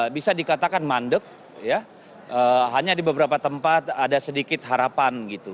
bisa dikatakan mandek hanya di beberapa tempat ada sedikit harapan gitu